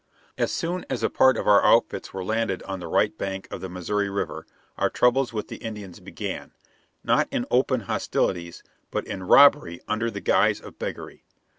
As soon as a part of our outfits were landed on the right bank of the Missouri River, our trouble with the Indians began, not in open hostilities, but in robbery under the guise of beggary.